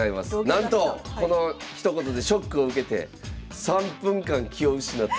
なんとこのひと言でショックを受けて３分間気を失った。